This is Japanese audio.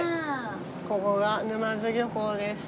ここが沼津漁港です。